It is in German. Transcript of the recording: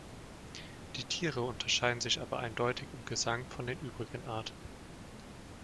Die Tiere unterscheiden sich aber eindeutig im Gesang von den übrigen Arten.